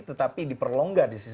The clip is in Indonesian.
tetapi diperlonggar di sisi lain